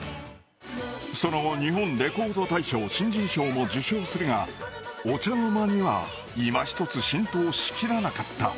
その後、日本レコード大賞新人賞も受賞するが、お茶の間には今一つ浸透しきらなかった。